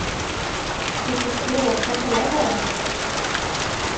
Lite stråkar på det, bara!